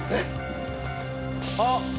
あっ！